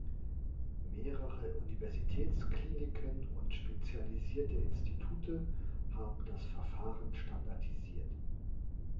Mehrere Universitätskliniken und spezialisierte Institute haben das Verfahren standardisiert.